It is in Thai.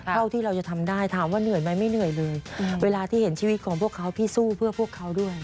เท่าที่เราจะทำได้ถามว่าเหนื่อยไหมไม่เหนื่อยเลยเวลาที่เห็นชีวิตของพวกเขาพี่สู้เพื่อพวกเขาด้วย